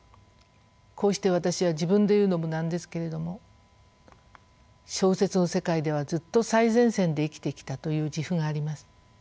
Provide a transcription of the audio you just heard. こうして私は自分で言うのもなんですけれども小説の世界ではずっと最前線で生きてきたという自負があります。